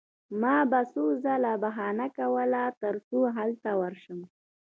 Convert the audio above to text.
ما به څو ځله بهانه کوله ترڅو هلته ورشم